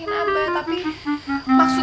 ya ampun bah rumi